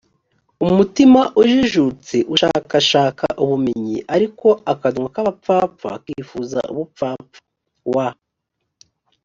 umutima ujijutse ushakashaka ubumenyi ariko akanwa k abapfapfa kifuza ubupfapfa w